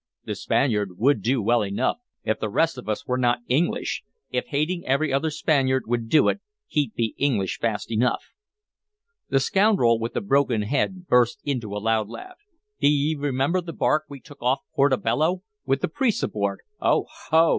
"The Spaniard would do well enough, if the rest of us were n't English. If hating every other Spaniard would do it, he'd be English fast enough." The scoundrel with the broken head burst into a loud laugh. "D' ye remember the bark we took off Porto Bello, with the priests aboard? Oho!